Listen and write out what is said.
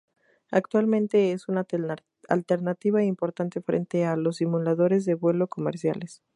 Actualmente es una alternativa importante frente a los simuladores de vuelo comerciales.